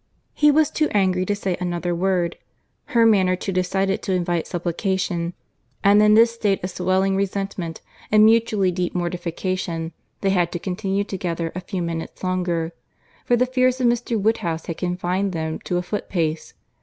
He was too angry to say another word; her manner too decided to invite supplication; and in this state of swelling resentment, and mutually deep mortification, they had to continue together a few minutes longer, for the fears of Mr. Woodhouse had confined them to a foot pace.